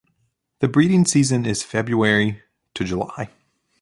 The breeding season is February to July.